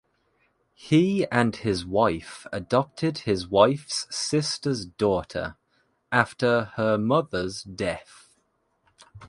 He and his wife adopted his wife's sister's daughter, after her mother's death.